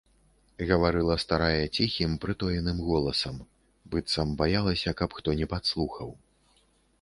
Гаварыла старая ціхім, прытоеным голасам, быццам баялася, каб хто не падслухаў.